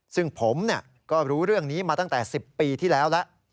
ซึ่งผมก็รู้เรื่องนี้มาตั้งแต่๑๐ปีที่แล้วแล้ว